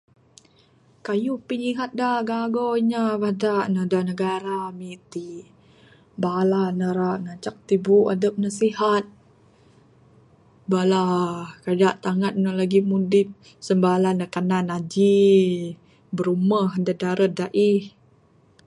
Kayuh pinyihat da gagau inya da negara ami ti, bala ne rak ngancak tibu adep ne sihat, bala kaja tangan ne lagi mudip sen bala ne kanan aji brumeh da dared aih.